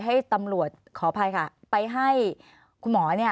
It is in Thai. อันดับสุดท้ายแก่มือ